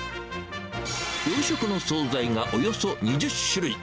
洋食の総菜がおよそ２０種類。